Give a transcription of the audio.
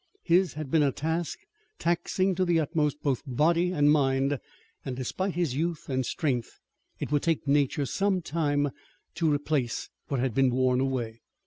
His had been a task, taxing to the utmost both body and mind, and, despite his youth and strength, it would take nature some time to replace what had been worn away.